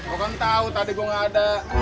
orang tau tadi gua gak ada